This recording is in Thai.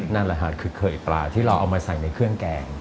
นั่นแหละค่ะคือเคยปลาที่เราเอามาใส่ในเครื่องแกง